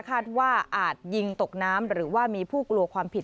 อาจยิงตกน้ำหรือว่ามีผู้กลัวความผิด